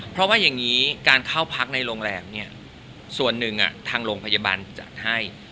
เพราะว่าอย่างนี้การเข้าพักในโรงแรมเนี่ยส่วนหนึ่งทางโรงพยาบาลจัดให้